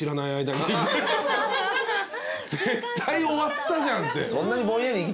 絶対終わったじゃんって。